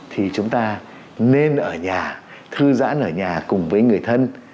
thì chúng ta nên ở nhà thư giãn ở nhà cùng với người thân